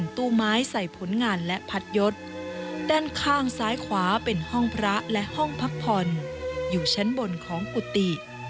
ถ้ารุกศิษย์อยู่บนชั้นบนของกุฏิ